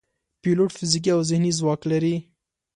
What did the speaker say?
پیلوټ فزیکي او ذهني ځواک لري.